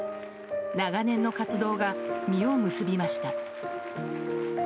長年の活動が実を結びました。